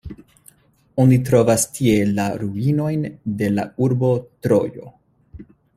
Oni trovas tie la ruinojn de la urbo Trojo.